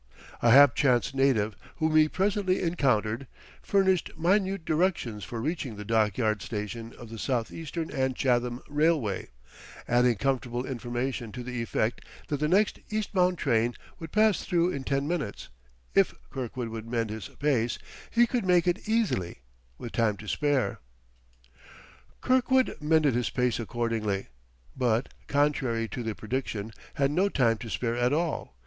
A hapchance native whom he presently encountered, furnished minute directions for reaching the Dockyard Station of the Southeastern and Chatham Rail way, adding comfortable information to the effect that the next east bound train would pass through in ten minutes; if Kirkwood would mend his pace he could make it easily, with time to spare. Kirkwood mended his pace accordingly, but, contrary to the prediction, had no time to spare at all.